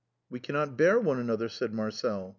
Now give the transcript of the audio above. " We cannot bear one another," said Marcel.